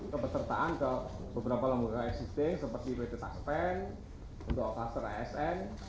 kepesertaan ke beberapa nomor existing seperti bp taspen untuk oplaster asn